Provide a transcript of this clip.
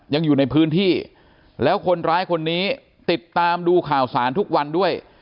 ยังอยู่ในพื้นที่แล้วคนร้ายคนนี้ติดตามดูข่าวสารทุกวันด้วย